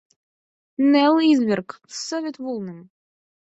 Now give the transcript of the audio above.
— Нел, изверг, совет вулным!